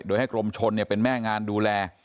โดยให้กรมชนเป็นแม่งานดูแล